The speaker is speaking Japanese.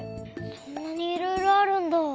そんなにいろいろあるんだ。